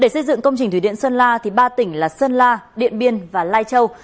để xây dựng công trình thủy điện sơn la ba tỉnh là sơn la điện biên và lai châu